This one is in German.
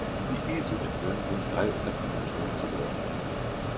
Die Izu-Inseln sind drei Unterpräfekturen zugeordnet.